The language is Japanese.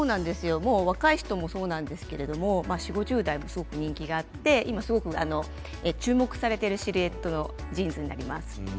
若い人もそうなんですけど４０代５０代にもすごく人気があって今すごく注目されているシルエットのジーンズになります。